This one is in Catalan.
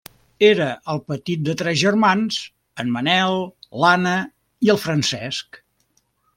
Era el petit de tres germans: en Manel, l'Anna i el Francesc.